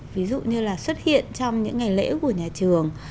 ví dụ như là xuất hiện trong những ngày lễ của nhà trường